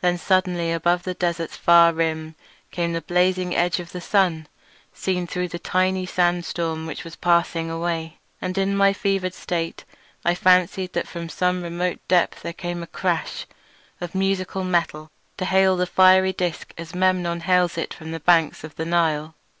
Then suddenly above the desert's far rim came the blazing edge of the sun, seen through the tiny sandstorm which was passing away, and in my fevered state I fancied that from some remote depth there came a crash of musical metal to hail the fiery disc as Memnon hails it from the banks of the Nile.